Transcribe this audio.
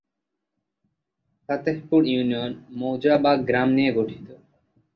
Fatehpur union মৌজা/গ্রাম নিয়ে গঠিত।